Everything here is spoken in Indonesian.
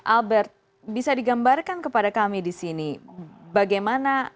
albert bisa digambarkan kepada kami di sini bagaimana